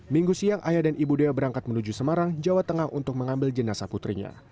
minggu siang ayah dan ibu dea berangkat menuju semarang jawa tengah untuk mengambil jenazah putrinya